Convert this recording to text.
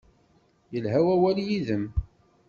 Yelha wawal yid-m.